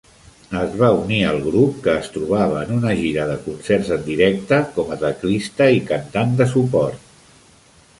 Es va unir al grup, que es trobava en una gira de concerts en directe, com a teclista i cantant de suport.